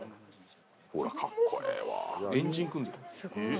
ほら、かっこええわ。